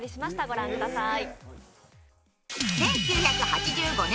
ご覧ください。